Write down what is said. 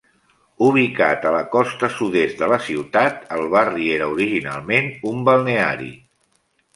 Ubicat a la costa sud-est de la ciutat, el barri era originalment un balneari.